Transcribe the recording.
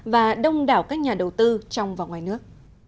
và đông đảo các nhà đầu tư trong và ngoài nước